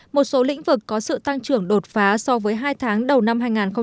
một số lĩnh vực có sự tăng trưởng đột phá so với hai tháng đầu năm hai nghìn một mươi tám